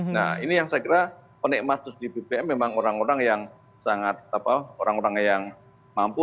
nah ini yang saya kira penikmat subsidi bbm memang orang orang yang mampu